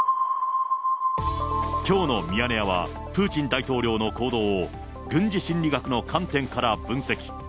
きょうのミヤネ屋は、プーチン大統領の行動を軍事心理学の観点から分析。